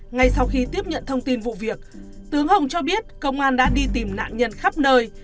ngay sau khi tiếp nhận thông tin vụ việc tướng hồng cho biết công an đã đi tìm nạn nhân khắp nơi